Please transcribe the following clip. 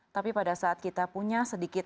tapi pada saat kita punya sedikit